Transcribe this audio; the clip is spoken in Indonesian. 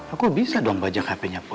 aku bisa dong bajak handphonenya boy